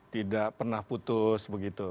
tidak pernah putus begitu